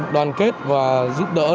đoàn kết và giúp đỡ